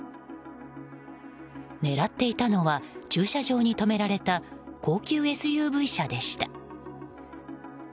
狙っていたのは駐車場に止められていた高級ＳＵＶ車でした。